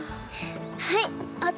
はい！